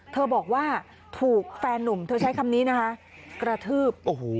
เธอบอกว่าถูกแฟนนุ่มเธอใช้คำนี้นะคะกระทืบ